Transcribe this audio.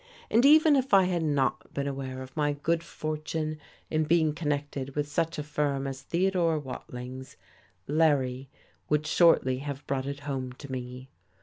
And even if I had not been aware of my good fortune in being connected with such a firm as Theodore Watling's, Larry would shortly have brought it home to me.